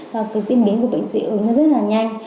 và diễn biến của bệnh dị ứng nó rất là nhanh